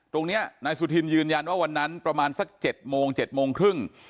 ตรงนี้นายสุธินยืนยันว่าวันนั้นประมาณสัก๗โมง๗โมงครึ่ง